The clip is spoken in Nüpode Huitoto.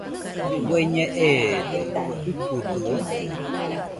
¿Bueñe eede?, ¿ikɨdɨo?